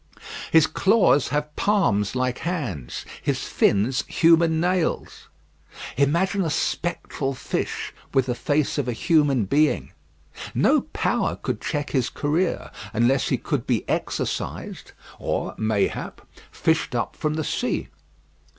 His claws have palms like hands; his fins human nails. Imagine a spectral fish with the face of a human being. No power could check his career unless he could be exorcised, or mayhap, fished up from the sea.